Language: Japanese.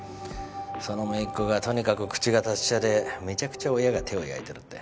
その姪っ子がとにかく口が達者でめちゃくちゃ親が手を焼いてるって。